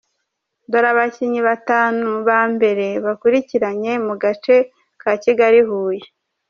Dore abakinnyi batanu ba mbere bakurikiranye mu gace ka Kigali-Huye:.